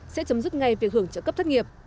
sẽ chấm dứt ngay việc hưởng trợ cấp thất nghiệp